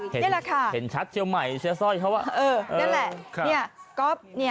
นี่แหละค่ะเห็นชัดเชียวใหม่เชียวสร้อยเขาว่าเออนั่นแหละ